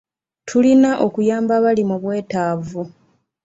Tulina okuyamba abali mu bwetaavu.